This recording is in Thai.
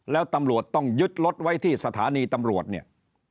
แล้วตำรวจต้องยึดรถไว้ที่สถานีตำรวจเนี่ย